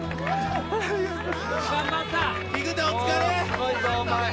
すごいぞお前。